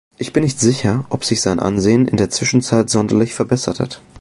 Ich bin nicht sicher, ob sich sein Ansehen in der Zwischenzeit sonderlich verbessert hat.